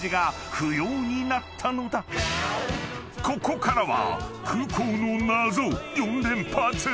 ［ここからは空港のナゾ４連発！